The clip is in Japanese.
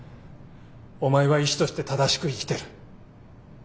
お前は医師として正しく生きてる。